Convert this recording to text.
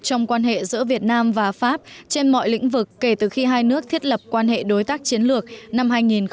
trong quan hệ giữa việt nam và pháp trên mọi lĩnh vực kể từ khi hai nước thiết lập quan hệ đối tác chiến lược năm hai nghìn một mươi ba